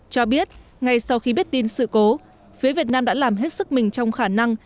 cho biết ngay sau khi biết tin sự cố phía việt nam đã làm hết sức mình trong khả năng